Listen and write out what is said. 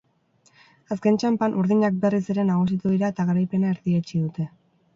Azken txanpan, urdinak berriz ere nagusitu dira eta garaipena erdietsi dute.